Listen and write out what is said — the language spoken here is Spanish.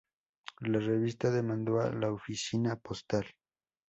La revista demandó a la oficina postal.